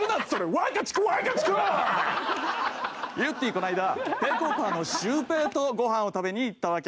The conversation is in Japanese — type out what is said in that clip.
この間ぺこぱのシュウペイとご飯を食べに行ったわけ。